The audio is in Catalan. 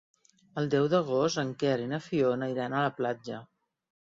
El deu d'agost en Quer i na Fiona iran a la platja.